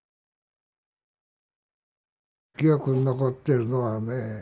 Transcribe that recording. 記憶に残ってるのはね